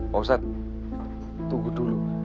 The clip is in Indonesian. pak ustadz tunggu dulu